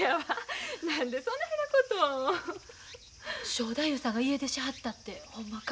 正太夫さんが家出しはったってほんまか？